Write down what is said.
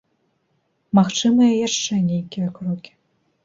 Магчымыя яшчэ нейкія крокі.